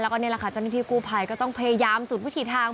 แล้วก็นี่แหละค่ะเจ้าหน้าที่กู้ภัยก็ต้องพยายามสุดวิถีทาง